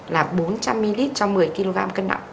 là bốn trăm linh ml trong một mươi kg cân nặng